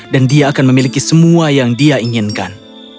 dan dia akan memiliki semua yang dia inginkan